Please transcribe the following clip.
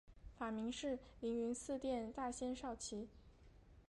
法名是灵云寺殿大仙绍其。